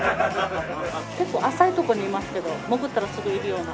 結構浅いとこにいますけど潜ったらすぐいるような。